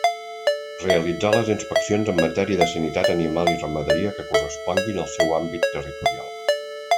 Realitzar les inspeccions en matèria de sanitat animal i ramaderia que corresponguin al seu àmbit territorial.